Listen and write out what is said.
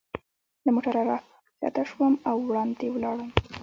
له موټره را کښته شوم او وړاندې ولاړم.